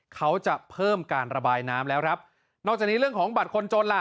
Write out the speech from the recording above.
เขาจะเพิ่มการระบายน้ำแล้วครับนอกจากนี้เรื่องของบัตรคนจนล่ะ